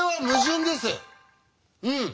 うん！